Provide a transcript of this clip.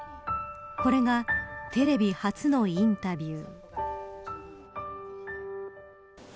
これがテレビ初のインタビュー。